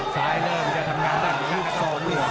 ซ้ายเริ่มจะทำงานได้อีกสอง